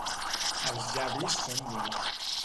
Els llavis són blaus.